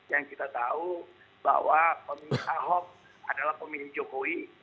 yang kita tahu bahwa pemilih ahok adalah pemilih jokowi